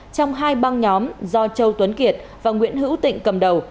trong hai băng nhóm do châu tuấn kiệt và nguyễn hữu tịnh cầm đầu